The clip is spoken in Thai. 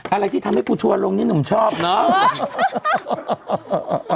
อะไรที่ทำให้กูชัวร์ลงนี่หนุ่มชอบเนาะ